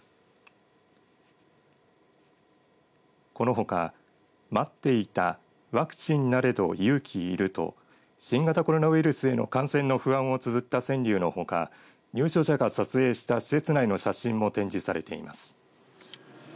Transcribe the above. このほか待っていたワクチンなれど勇気いると新型コロナウイルスの感染の不安をつづった川柳のほか入所者が撮影した施設内の写真も展示されています。